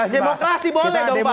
demokrasi boleh dong pak